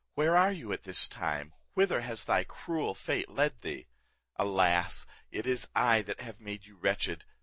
where are you at this time, whither has thy cruel fate led thee? Alas! it is I that have made you wretched!